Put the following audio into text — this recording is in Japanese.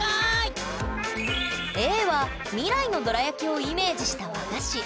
Ａは未来のどら焼きをイメージした和菓子。